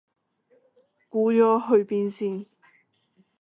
估咗去邊先